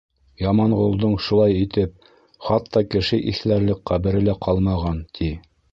Яманғолдоң, шулай итеп, хатта кеше иҫләрлек ҡәбере лә ҡалмаған, ти.